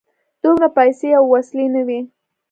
دومره پیسې او وسلې نه وې.